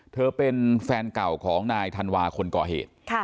เธอเป็นแฟนเก่าของนายธันวาคนก่อเหตุ